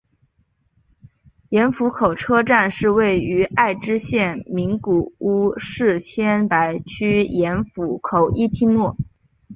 盐釜口车站是位于爱知县名古屋市天白区盐釜口一丁目。